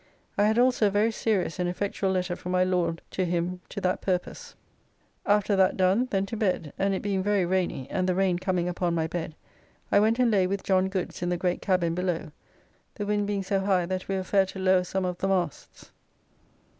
I had also a very serious and effectual letter from my Lord to him to that purpose. After that done then to bed, and it being very rainy, and the rain coming upon my bed, I went and lay with John Goods in the great cabin below, the wind being so high that we were faro to lower some of the masts.